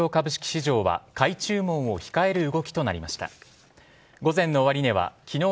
今日の東京株式市場は買い注文を控える動きとなりました。